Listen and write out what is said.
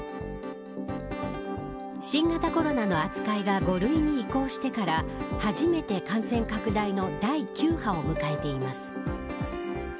新型コロナの扱いが５類に移行してから初めて感染拡大の第９波を迎えています。